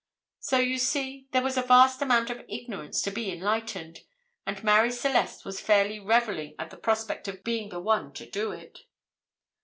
So, you see, there was a vast amount of ignorance to be enlightened, and Marie Celeste was fairly revelling at the prospect of being the one to do it.